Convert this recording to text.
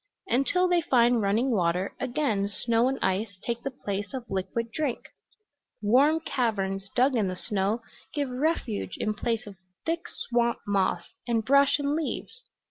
Until they find running water again snow and ice take the place of liquid drink; warm caverns dug in the snow give refuge in place of thick swamp moss and brush and leaves.